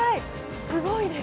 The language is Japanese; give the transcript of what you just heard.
すごいです。